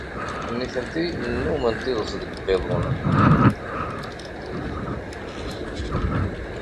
Nitenti nnumment iḍes deg uqiḍun.